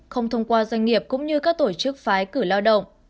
không thông qua doanh nghiệp cũng như các tổ chức phái cử lao động